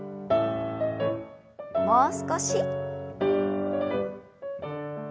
もう少し。